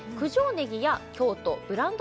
ねぎや京都ブランド